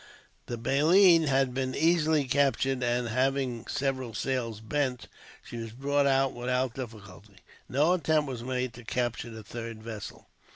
The Baleine had been easily captured and, having several sails bent, she was brought out without difficulty. No attempt was made to capture the third vessel.